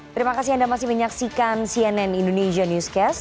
terima kasih anda masih menyaksikan cnn indonesia newscast